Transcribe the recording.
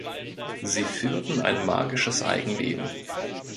Sie führten ein magisches Eigenleben.